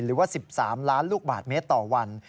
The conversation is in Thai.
หรือว่า๑๓ล้านลูกบาทเมตรต่อวัน